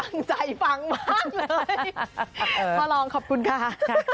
ตั้งใจฟังมากเลยพ่อลองขอบคุณค่ะ